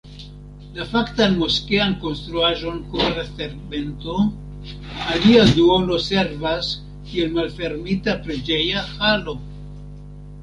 La faktan moskean konstruaĵon kovras tegmento, alia duono servas kiel malfermita preĝeja halo.